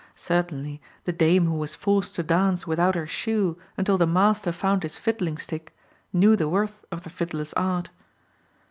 Certainly the dame who was forced to dance without her shoe until the master found his fiddling stick knew the worth of the fiddler's art.